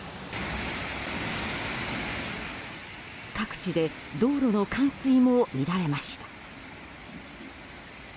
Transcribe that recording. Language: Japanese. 各地で道路の冠水も見られました。